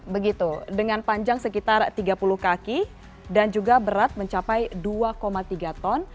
begitu dengan panjang sekitar tiga puluh kaki dan juga berat mencapai dua tiga ton